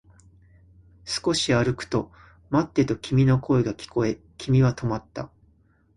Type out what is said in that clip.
少し歩くと、待ってと君の声が聞こえ、君は止まった